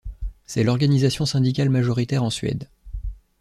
C'est l'organisation syndicale majoritaire en Suède.